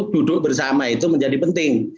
duduk bersama itu menjadi penting